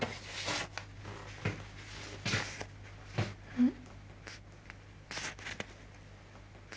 うん？